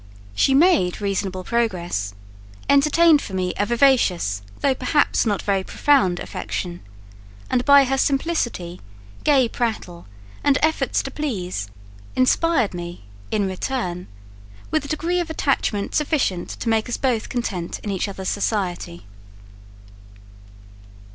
She made reasonable progress, entertained for me a vivacious, though perhaps not very profound, affection; and by her simplicity, gay prattle, and efforts to please, inspired me, in return, with a degree of attachment sufficient to make us both content in each other's society.